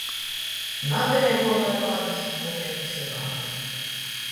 Nabeja buobai bādys, nūpierka syvānu.